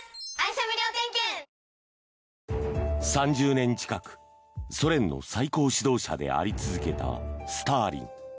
３０年近くソ連の最高指導者であり続けたスターリン。